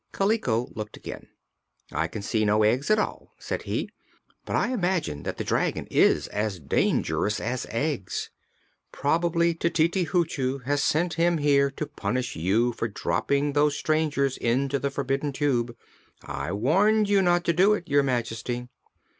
Kaliko looked again. "I can see no eggs at all," said he; "but I imagine that the dragon is as dangerous as eggs. Probably Tititi Hoochoo has sent him here to punish you for dropping those strangers into the Forbidden Tube. I warned you not to do it, Your Majesty."